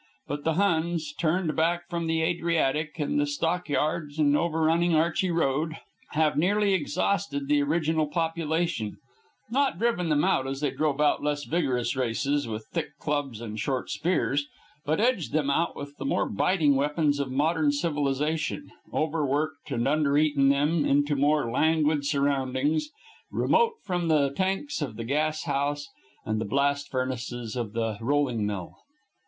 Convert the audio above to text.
But the Huns, turned back from the Adriatic and the stock yards and overrunning Archey Road, have nearly exhausted the original population, not driven them out as they drove out less vigorous races, with thick clubs and short spears, but edged them out with the more biting weapons of modern civilization, overworked and under eaten them into more languid surroundings remote from the tanks of the gas house and the blast furnaces of the rolling mill.